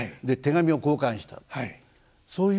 で手紙を交換したんです。